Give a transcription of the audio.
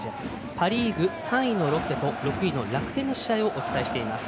パ・リーグ３位のロッテと６位の楽天の試合をお伝えしています。